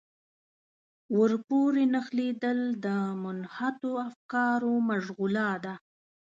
ورپورې نښلېدل د منحطو افکارو مشغولا ده.